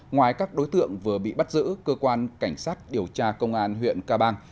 ngoài các đối tượng vừa bị bắt giữ cơ quan cảnh sát điều tra công an huyện ca bang